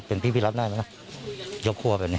เป็นพี่รับได้ไหมครับยกครัวแบบนี้